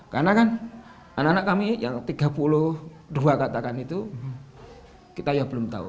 karena kan anak anak kami yang tiga puluh dua katakan itu kita ya belum tahu